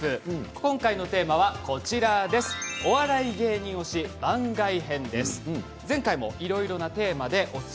今回のテーマはお笑い芸人推し、番外編です。